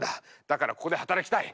だからここで働きたい。